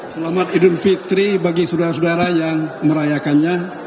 terima kasih bagi saudara saudara yang merayakannya